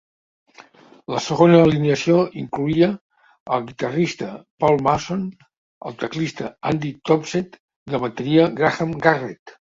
La segona alineació incloïa a guitarrista Paul Mason, al teclista Andy Tompsett i el bateria Graham Garrett.